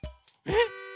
えっ？